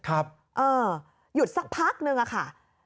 หยุดสักพักนึงอะค่ะ